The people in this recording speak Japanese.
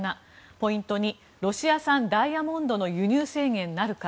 ポイント２ロシア産ダイヤモンドの輸入制限なるか。